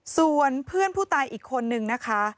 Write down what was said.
ส่วนเพื่อนผู้ตายอีกคนนึงนะคะ